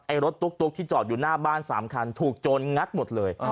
รถตุ๊กที่จอดอยู่หน้าบ้าน๓คันถูกโจรงัดหมดเลย